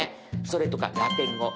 それとかラテン語